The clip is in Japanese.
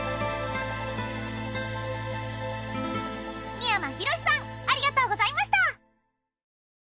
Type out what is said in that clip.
三山ひろしさんありがとうございました。